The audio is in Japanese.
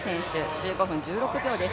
１５分１６秒です。